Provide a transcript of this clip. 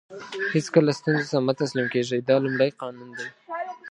هیڅکله ستونزو ته مه تسلیم کېږئ دا لومړی قانون دی.